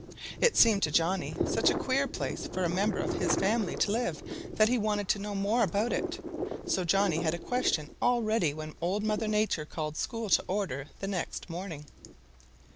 It seemed to Johnny such a queer place for a member of his family to live that he wanted to know more about it. So Johnny had a question all ready when Old Mother Nature called school to order the next morning.